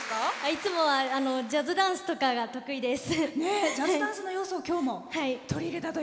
いつもはジャズダンスとかが得意です。